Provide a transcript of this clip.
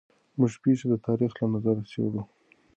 موږ پېښې د تاریخ له نظره څېړو.